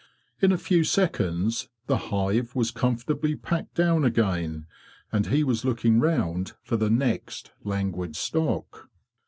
In a few seconds the hive was comfortably packed down again, and he was looking round for the next languid stock.